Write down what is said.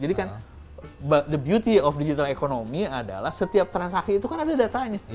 jadi kan the beauty of digital economy adalah setiap transaksi itu kan ada datanya